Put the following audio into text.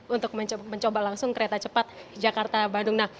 untuk mencoba langsung kereta cepat jakarta bandung